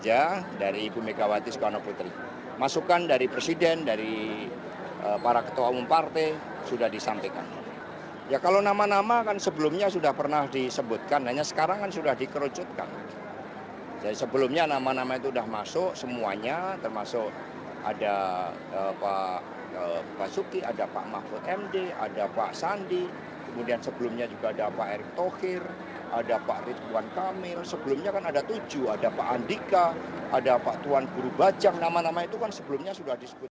ada pak suki ada pak mahfud md ada pak sandi kemudian sebelumnya juga ada pak erick tohir ada pak ridwan kamil sebelumnya kan ada tujuh ada pak andika ada pak tuan guru bajang nama nama itu kan sebelumnya sudah disebut